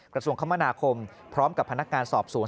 กระทรวงคมนาคมพร้อมกับพนักงานสอบสวน